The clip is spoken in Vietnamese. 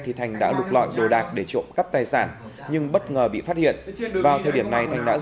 thì thành đã lục lọi đồ đạc để trộm cắp tài sản nhưng bất ngờ bị phát hiện